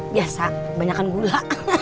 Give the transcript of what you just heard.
biasa banyakan gula